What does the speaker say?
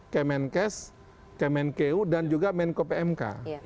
kemenkes kemenkeu dan juga menko pmk